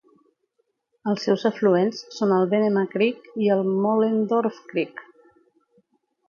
Els seus afluents són el Venema Creek i el Mohlendorph Creek.